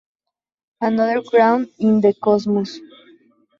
Another crown in the cosmos.